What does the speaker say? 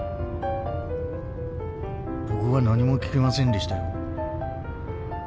僕は何も聞きませんでしたよ